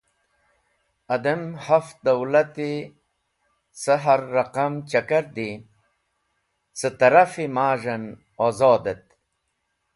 Adem haft dawlati ce har raqam chakar di, cẽ taraf-e maz̃h en ozodhet.